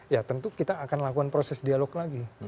ya tentu kita akan lakukan proses dialog lagi